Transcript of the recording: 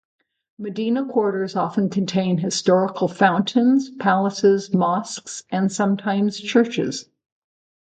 Medina quarters often contain historical fountains, palaces, mosques, and sometimes churches.